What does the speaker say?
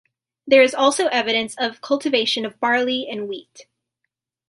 There is also evidence of cultivation of barley and wheat.